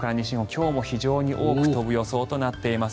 今日も非常に多く飛ぶ予想となっています。